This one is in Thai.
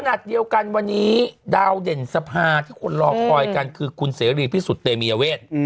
ขณะเดียวกันวันนี้ดาวเด่นสภาที่คนรอคอยกันคือคุณเสรีพิสุทธิเตมียเวท